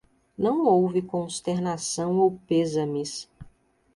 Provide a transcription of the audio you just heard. Não houve consternação ou pêsames